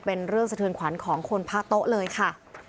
เป็นเรื่องสะเทือนขวัญของคนพระโต๊ะเลยค่ะ